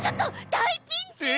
大ピンチ！え！